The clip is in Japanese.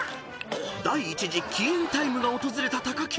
［第一次キーンタイムが訪れた木］